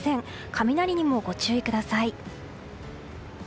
雷にもご注意ください。